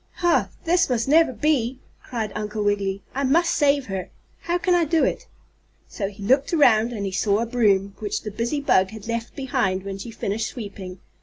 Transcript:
"Ha! This must never be!" cried Uncle Wiggily. "I must save her. How can I do it?" So he looked around, and he saw a broom, which the busy bug had left behind when she finished sweeping.